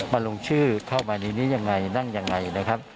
ลงชื่อเข้ามาในนี้ยังไงนั่งยังไงนะครับ